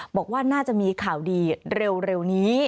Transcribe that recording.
บอกว่าน่าจะมีข่าวดีเร็วนี้